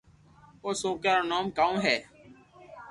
او سوڪرا رو نوم ڪاو ھي